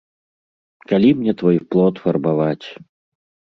Калі мне твой плот фарбаваць!